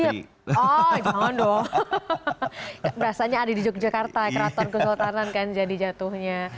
oh jangan dong rasanya ada di yogyakarta keraton kesultanan kan jadi jatuhnya